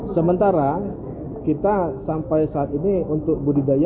sementara kita sampai saat ini untuk budidaya